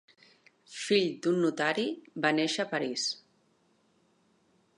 Fill d'un notari, va néixer a París.